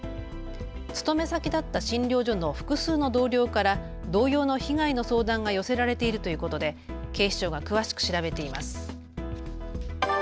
勤め先だった診療所の複数の同僚から同様の被害の相談が寄せられているということで警視庁が詳しく調べています。